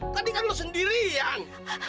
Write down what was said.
tadi kan lo sendirian